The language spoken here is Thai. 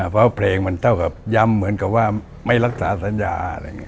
เพราะเพลงมันเท่ากับย้ำเหมือนกับว่าไม่รักษาสัญญาอะไรอย่างนี้